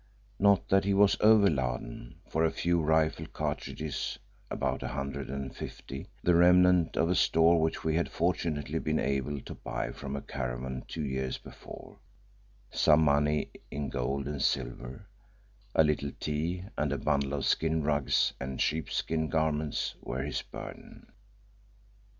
Not that he was over laden, for a few rifle cartridges, about a hundred and fifty, the remnant of a store which we had fortunately been able to buy from a caravan two years before, some money in gold and silver, a little tea and a bundle of skin rugs and sheepskin garments were his burden.